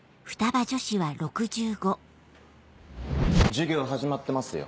授業始まってますよ。